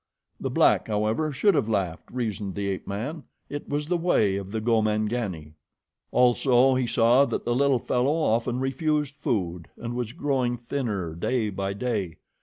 The black, however, should have laughed, reasoned the ape man. It was the way of the Gomangani. Also, he saw that the little fellow often refused food and was growing thinner day by day.